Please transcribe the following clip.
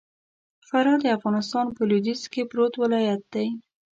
فراه د افغانستان په لوېديځ کي پروت ولايت دئ.